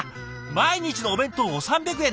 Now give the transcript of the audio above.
毎日のお弁当を３００円で。